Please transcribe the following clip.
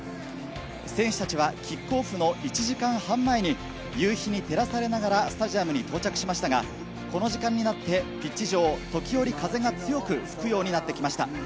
選手たちはキックオフの１時間半前に、夕日に照らされながらスタジアムに到着しましたが、この時間になって、ピッチ上、時折、風が強く吹くようになってきました。